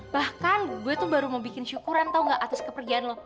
bahkan gue tuh baru mau bikin syukuran tau gak atas kepergian lo